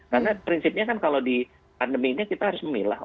karena prinsipnya kan kalau di pandemiknya kita harus memilah